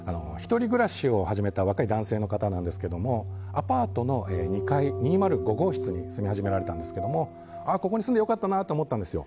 １人暮らしを始めた若い男性の方なんですけどアパートの２階、２０５号室に住み始められたんですけどここに住んで良かったなと思ったんですよ。